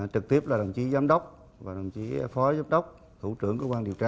trực tiếp là đồng chí giám đốc và đồng chí phó giám đốc thủ trưởng cơ quan điều tra